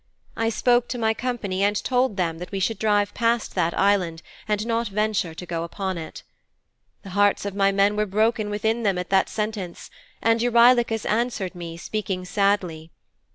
I spoke to my company and told them that we should drive past that Island and not venture to go upon it.' 'The hearts of my men were broken within them at that sentence, and Eurylochus answered me, speaking sadly.'